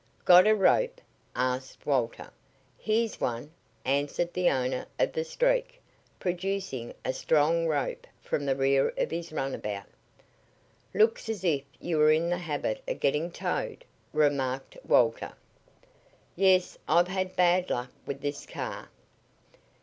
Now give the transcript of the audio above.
"Got a rope?" asked Walter. "Here's one," answered the owner of the Streak, producing a strong rope from the rear of his runabout. "Looks as if you were in the habit of getting towed," remarked Walter. "Yes. I've had bad luck with this car."